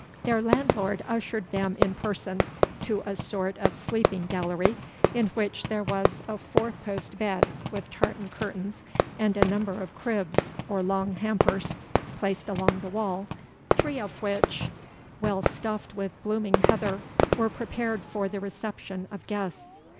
Their landlord ushered them in person to a sort of sleeping gallery, in which there was a four post bed, with tartan curtains, and a number of cribs, or long hampers, placed along the wall, three of which, well stuffed with blooming heather, were prepared for the reception of guests.